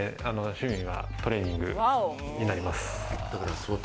趣味はトレーニングになります。